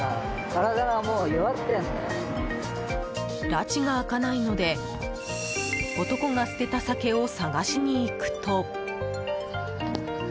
らちが明かないので男が捨てた酒を探しに行くと。